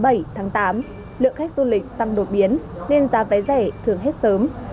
lượng khách du lịch tăng đột biến nên giá vé rẻ thường hết sớm